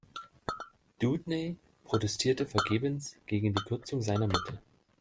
Dewdney protestierte vergebens gegen die Kürzung seiner Mittel.